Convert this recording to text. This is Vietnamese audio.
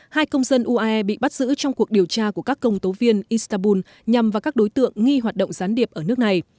hai công dân uae bị bắt giữ trong cuộc điều tra của các công tố viên istanbul nhằm vào các đối tượng nghi hoạt động gián điệp ở nước này